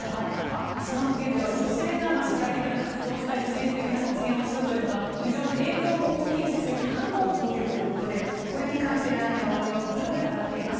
イスラム圏では女性が社会的な活動をしたり政治的な発言をするというのは非常に影響も大きいんですが批判も多く受けるということでこれに関してラーニア王妃はこのように語っています。